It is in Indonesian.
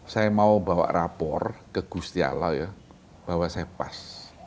saya mau bawa rapor ke gusti allah ya bahwa saya pas